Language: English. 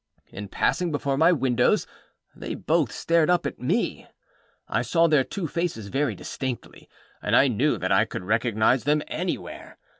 In passing before my windows, they both stared up at me. I saw their two faces very distinctly, and I knew that I could recognise them anywhere.